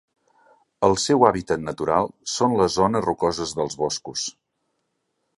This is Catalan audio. El seu hàbitat natural són les zones rocoses dels boscos.